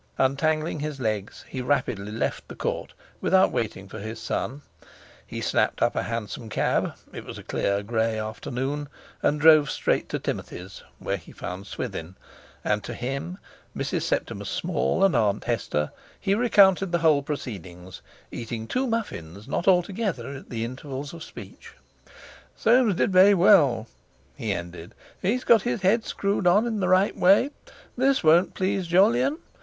Untangling his legs, he rapidly left the Court; without waiting for his son, he snapped up a hansom cab (it was a clear, grey afternoon) and drove straight to Timothy's where he found Swithin; and to him, Mrs. Septimus Small, and Aunt Hester, he recounted the whole proceedings, eating two muffins not altogether in the intervals of speech. "Soames did very well," he ended; "he's got his head screwed on the right way. This won't please Jolyon.